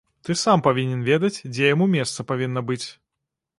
Ты сам павінен ведаць, дзе яму месца павінна быць!